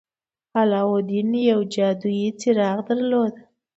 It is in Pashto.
علاوالدين يو جادويي څراغ درلود.